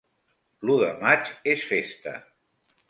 L'u de maig és festa.